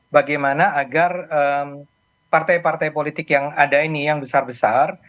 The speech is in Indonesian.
bagaimana agar partai partai politik yang ada ini yang besar besar